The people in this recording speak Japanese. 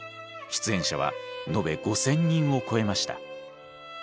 出演者はのべ５，０００人を超えました。